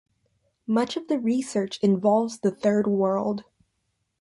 Much of the research involves the Third World.